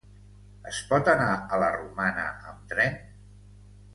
Es pot anar a la Romana amb tren?